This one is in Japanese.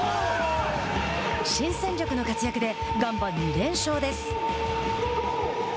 新戦力の活躍でガンバ２連勝です。